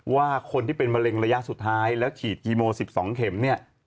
ว่าคนที่เป็นมะเร็งระยะสุดท้ายแล้วฉีดคีโม๑๒เข็มเนี่ย